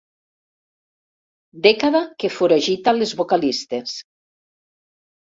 Dècada que foragita les vocalistes.